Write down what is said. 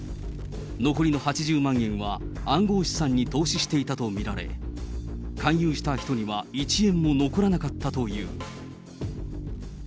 残りの８０万円は暗号資産に投資していたと見られ、勧誘した人には１円も残らなかったという。